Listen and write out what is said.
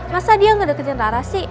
masa dia gak deketin rara sih